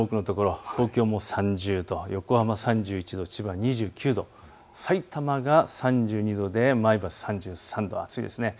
東京も３０度、横浜３１度、千葉２９度、さいたまが３２度で前橋３３度、暑いですね。